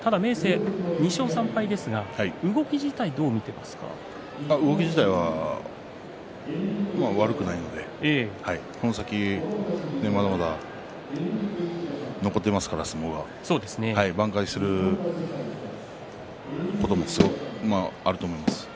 武隈さん、明生２勝３敗ですが動き自体は悪くないのでこの先まだまだ残ってますからね相撲が挽回することもあると思います。